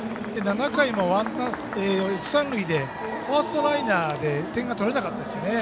７回も一、三塁でファーストライナーで点が取れなかったんですよね。